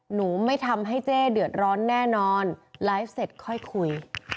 หนูไม่ทำให้เจ๊เดือดร้อนแน่นอนไลฟ์เสร็จค่อยคุย